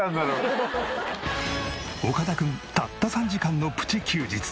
岡田君たった３時間のプチ休日。